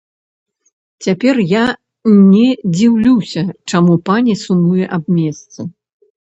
Цяпер я не дзіўлюся, чаму пані сумуе аб месцы.